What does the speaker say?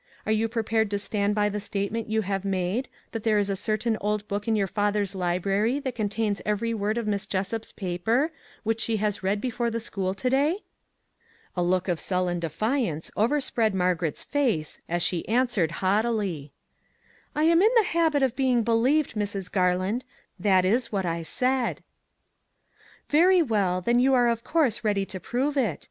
Are you prepared to stand by the statement you have made, that there is a certain old book in your father's library that contains every word of Miss Jessup's paper which she has read before the school to day? " A look of sullen defiance overspread Mar garet's face as she answered haughtily :" I am in the habit of being believed, Mrs. Garland ; that is what I said." " Very well, then you are of course ready to prove it.